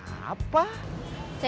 saya dibilang lucu memangnya saya cepot